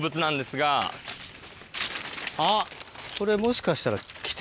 あっこれもしかしたら。